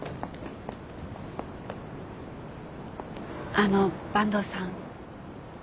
あの坂東さん。